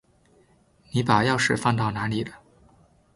你把钥匙放到哪里了？